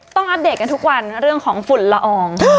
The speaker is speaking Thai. อัปเดตกันทุกวันเรื่องของฝุ่นละออง